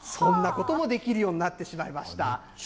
そんなこともできるようになってしまいました。